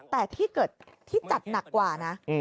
แต่ที่เกิดที่จัดหนักกว่านะ